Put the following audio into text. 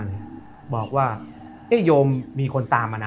เยี่ยมว่ามีคนตามมานะ